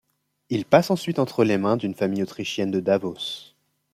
Il passe ensuite entre les mains d'une famille autrichienne de Davos.